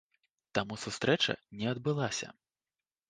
Таму сустрэча не адбылася.